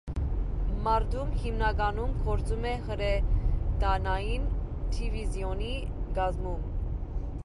Մարտում հիմնականում գործում է հրետանային դիվիզիոնի կազմում։